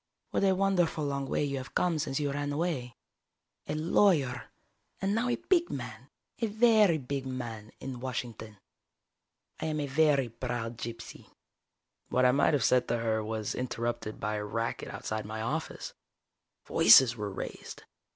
"What a wonderful long way you have come since you ran away. A lawyer, and now a big man, a very big man, in Washington. I am a very proud gypsy." What I might have said to her was interrupted by a racket outside my office. Voices were raised.